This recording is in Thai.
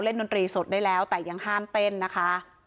ดนตรีสดได้แล้วแต่ยังห้ามเต้นนะคะ